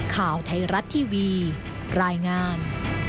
ข่าวไทยรัฐทีวีรายงาน